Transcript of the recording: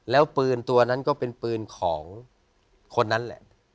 แล้วปืนตัวนั้นก็เป็นปืนของคนนั้นแหละ